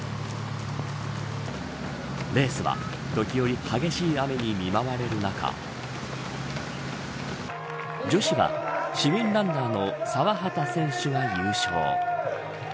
レースは、時折激しい雨に見舞われる中女子は市民ランナーの澤畠選手が優勝。